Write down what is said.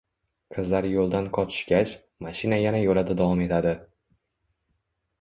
Qizlar yoʻldan qochishgach, mashina yana yoʻlida davom etadi.